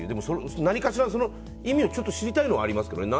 何かしら、意味を知りたいのはありますけどね。